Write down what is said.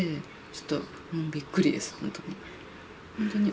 ちょっとびっくりです、本当に。